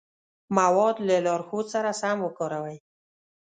مواد له لارښود سره سم وکاروئ.